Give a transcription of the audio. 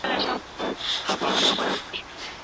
مير محمود د ميرويس خان نيکه تر مړینې وروسته څه وکړل؟